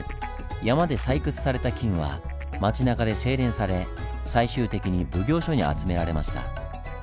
山で採掘された金は町なかで製錬され最終的に奉行所に集められました。